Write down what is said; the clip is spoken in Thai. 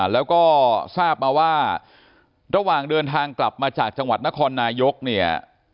แล้วก็ทราบมาว่าระหว่างเดินทางกลับมาจากจังหวัดนครนายกเนี่ย